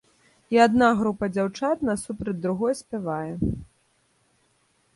І адна група дзяўчат насупраць другой спявае.